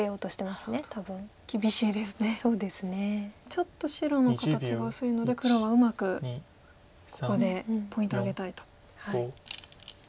ちょっと白の形が薄いので黒がうまくここでポイントを挙げたいと。